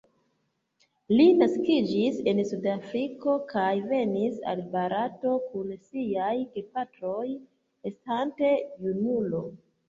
Li naskiĝis en Sudafriko kaj venis al Barato kun siaj gepatroj estante junulo.